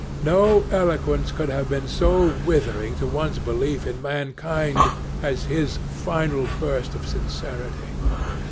No eloquence could have been so withering to one's belief in mankind as his final burst of sincerity.